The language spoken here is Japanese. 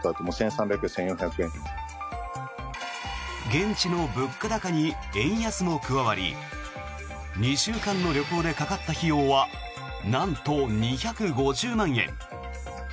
現地の物価高に円安も加わり２週間の旅行でかかった費用はなんと２５０万円。